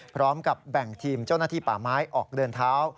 พร้อมกับแบ่งทีมเจ้าหน้าที่ป่าไม้ออกเดินเท้า